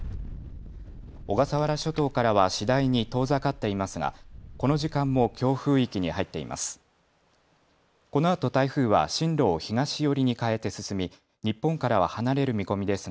小笠原諸島からは次第に遠ざかっていますが、この時間も強風域に入っています。